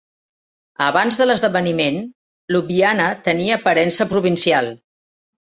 Abans de l'esdeveniment, Ljubljana tenia aparença provincial.